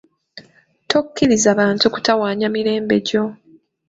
Tokkiriza bantu kutawaanya mirembe gyo.